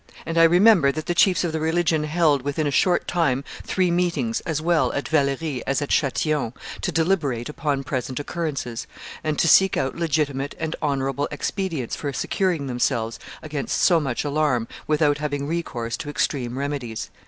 And I remember that the chiefs of the religion held, within a short time, three meetings, as well at Valeri as at Chatillon, to deliberate upon present occurrences, and to seek out legitimate and honorable expedients for securing themselves against so much alarm, without having recourse to extreme remedies."